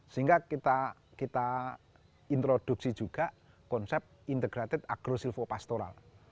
sehingga kita introduksi juga konsep integrated agro silvopastoral